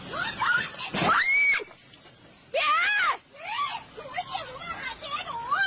คุณผู้หญิงเสื้อสีขาวเจ้าของรถที่ถูกชน